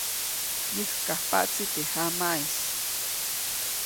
Yäjkajpaʼtsi teʼ jamaʼis.